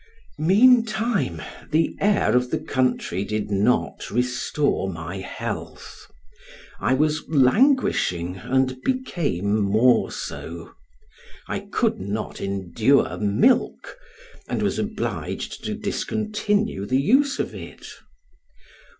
Meantime, the air of the country did not restore my health; I was languishing and became more so; I could not endure milk, and was obliged to discontinue the use of it.